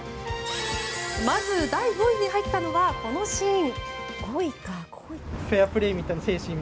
まず第５位に入ったのはこのシーン。